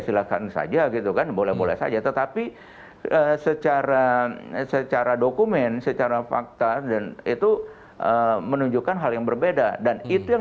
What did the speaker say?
silahkan saja gitu kan boleh boleh saja tetapi secara secara dokumen secara fakta dan itu menunjukkan